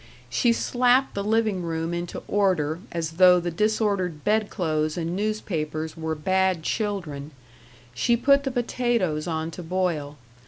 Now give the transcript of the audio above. She slapped the living room into order as though the disordered bedclothes and newspapers were bad children. She put the potatoes on to boil.